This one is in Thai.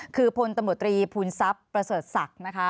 คือพลตำรวจตรีภูมิทรัพย์ประเสริฐศักดิ์นะคะ